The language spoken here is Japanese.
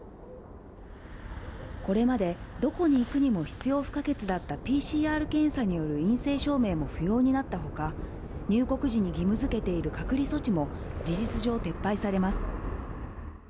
これまでどこに行くにも必要不可欠だったＰＣＲ検査による陰性証明も不要になったほか、入国時に義務づけている隔離措置も、事実上、撤廃されます。